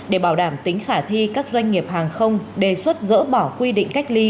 để bảo đảm tính khả thi các doanh nghiệp hàng không đề xuất dỡ bỏ quy định cách ly